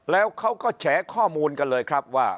แล้วเขาก็แฉข้อมูลกันเลยครับว่า